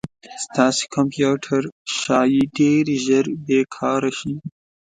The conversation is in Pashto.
ستاسې کمپیوټر ښایي ډير ژر بې کاره شي